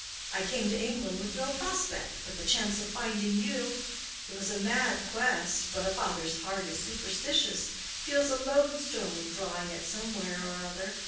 I came to England with no prospect, but the chance of finding you. It was a mad quest; but a father's heart is superstitious—feels a loadstone drawing it somewhere or other.